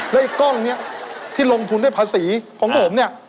แล้วไอ้กล้องนี้ที่ลงทุนด้วยภาษีของผมเนี่ย